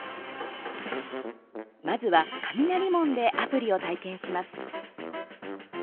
まずは雷門でアプリを体験します。